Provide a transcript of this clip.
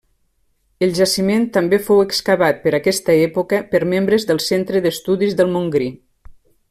El jaciment també fou excavat per aquesta època per membres del Centre d'Estudis del Montgrí.